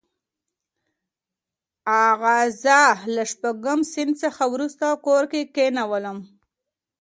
اغا زه له شپږم صنف څخه وروسته کور کې کښېنولم.